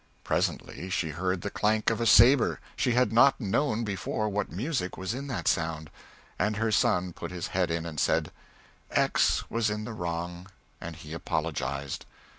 Presently she heard the clank of a sabre she had not known before what music was in that sound! and her son put his head in and said: "X was in the wrong, and he apologized."